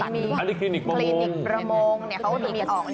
อันนี้คลินิกประมงนี่คลินิกประมงเขาก็จะมีของซับ